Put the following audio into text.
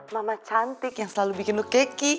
mama cantik yang selalu bikin lo keki